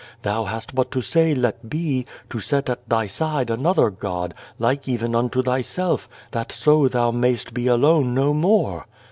Thou hast but to say, * Let be !' to set at Thy side another God, like even unto Thyself, that so Thou mayst be alone no more."